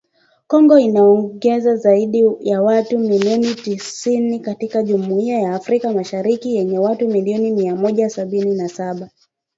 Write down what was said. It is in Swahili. Kongo inaongeza zaidi ya watu milioni tisini katika Jumuiya ya Afrika Mashariki yenye watu milioni mia moja sabini na saba